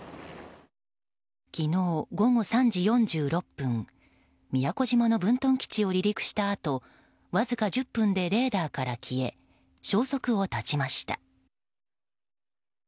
昨日、午後３時４６分宮古島の分屯基地を離陸したあとわずか１０分でレーダーから消え消息を絶ちました。